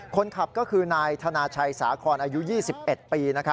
คนขับก็คือนายธนาชัยสาคอนอายุ๒๑ปี